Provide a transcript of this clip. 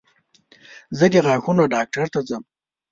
زه د غاښونو ډاکټر ته ځم.